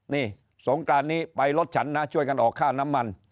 นี่สงกรานนี้ไปรถฉันนะช่วยกันออกค่าน้ำมัน